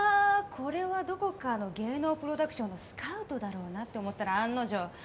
これはどこかの芸能プロダクションのスカウトだろうなって思ったら案の定。